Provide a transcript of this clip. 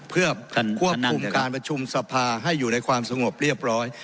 เพื่อควบคุมการประชุมสภาให้อยู่ในความสงบเรียบร้อย